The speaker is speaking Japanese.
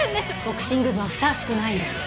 ボクシング部はふさわしくないんです。